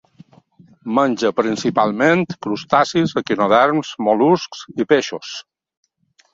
Menja principalment crustacis, equinoderms, mol·luscs i peixos.